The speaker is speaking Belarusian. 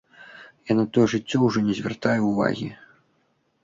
Я на тое жыццё ўжо не звяртаю ўвагі.